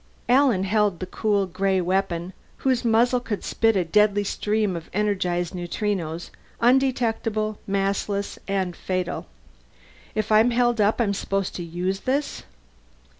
Alan held the cool gray weapon, whose muzzle could spit a deadly stream of energized neutrinos, undetectable, massless, and fatal. "If I'm held up I'm supposed to use this?"